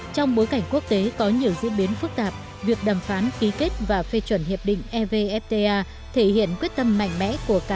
trong bối cảnh quốc tế có nhiều diễn biến phức tạp việc đàm phán ký kết và phê chuẩn hiệp định evfta thể hiện quyết tâm mạnh mẽ của qat